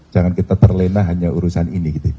jangan kita terlena hanya urusan ini